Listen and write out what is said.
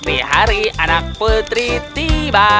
di hari anak putri tiba